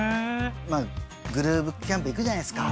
まあグループキャンプ行くじゃないですか。